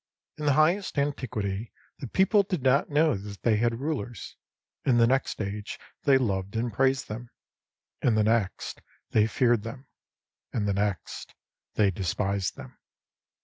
In the highest antiquity, the people did not know that they had rulers. In the next age they loved and praised them. In the next, they feared them. In the next, they despised them.